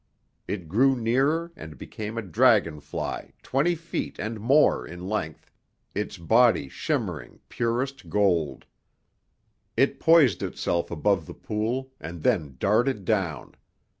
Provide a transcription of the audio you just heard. It grew nearer and became a dragonfly twenty feet and more in length, its body shimmering, purest gold. It poised itself above the pool and then darted down.